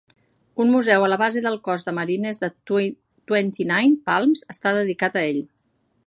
Un museu a la base del Cos de Marines de Twentynine Palms està dedicat a ell.